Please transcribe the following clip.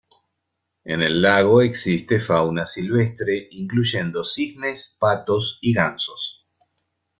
En el lago existe fauna silvestre, incluyendo cisnes, patos y gansos.